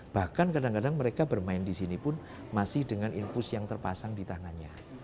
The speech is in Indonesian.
bahkan kadang kadang mereka bermain di sini pun masih dengan infus yang terpasang di tangannya